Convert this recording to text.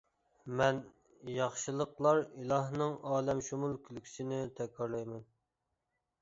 مەن ياخشىلىقلار ئىلاھىنىڭ ئالەمشۇمۇل كۈلكىسىنى تەكرارلايمەن.